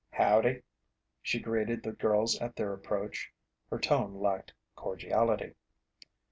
"Howdy," she greeted the girls at their approach. Her tone lacked cordiality.